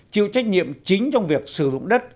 chịu trách nhiệm chính trong việc sử dụng đất